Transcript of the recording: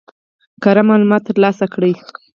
کره معلومات ترلاسه کړي.